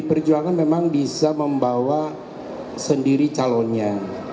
pdi perjuangan memang bisa membawa sendiri calonnya